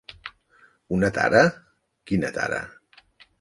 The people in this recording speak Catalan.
Una tara... Quina tara?